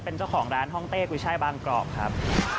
เป็นเจ้าของร้านห้องเต้กุ้ยช่ายบางกรอบครับ